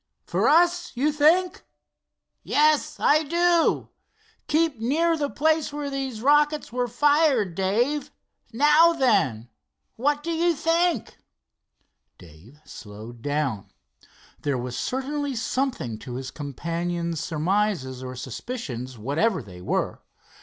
"For us, you think?" "Yes, I do. Keep near the place where these rockets were fired, Dave. Now then, what do you think?" Dave slowed down. There was certainly something to his companion's surmises or suspicions, whatever they were.